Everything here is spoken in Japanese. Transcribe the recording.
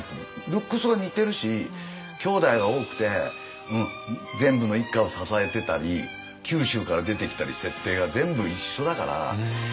ルックスが似てるしきょうだいは多くて全部の一家を支えてたり九州から出てきたり設定が全部一緒だから。